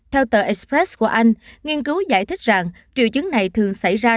theo tờ express của anh nghiên cứu giải thích rằng triệu chứng này thường xảy ra